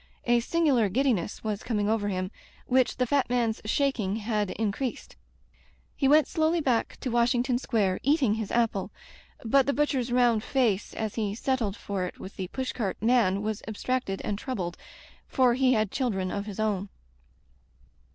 A singular giddiness was coming over him, which the fat man's shaking had increased. He went slowly back to Washing ton Square, eating his apple. But the butch er's round face as he settled for it with the pushcart man was abstracted and troubled, for he had children of his own.